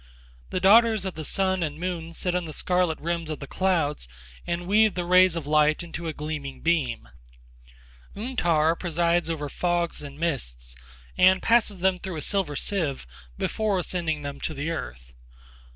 The daughters of the Sun and Moon sit on the scarlet rims of the clouds and weave the rays of light into a gleaming web. Untar presides over fogs and mists, and passes them through a silver sieve before sending them to the earth.